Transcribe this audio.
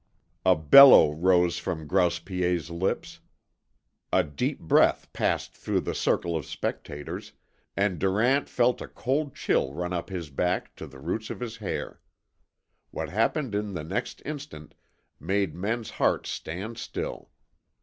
A bellow rose from Grouse Piet's lips. A deep breath passed through the circle of spectators, and Durant felt a cold chill run up his back to the roots of his hair. What happened in the next instant made men's hearts stand still.